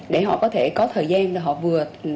để họ có thể có thời gian họ vừa